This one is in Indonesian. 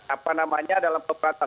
apa namanya dalam peperatasan